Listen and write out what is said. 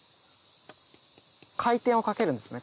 回転をかけるんですね